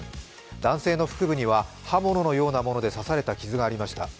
男性の腹部には、刃物のようなもので刺された傷がありました。